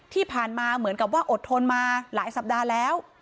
ที่ผ่านมาเหมือนกับว่าอดทนมาหลายสัปดาห์แล้ว